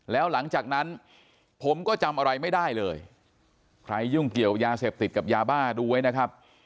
แล้วหลังจากนั้นผมก็จำอะไรไม่ได้เลยใครยุ่งเกี่ยวยาเสพติดกับยาบ้าดูไว้นะครับ